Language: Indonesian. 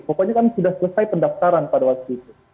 pokoknya kan sudah selesai pendaftaran pada waktu itu